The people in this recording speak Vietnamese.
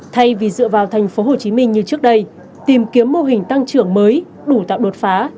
thay vì dựa vào thành phố hồ chí minh như trước đây tìm kiếm mô hình tăng trưởng mới đủ tạo đột phá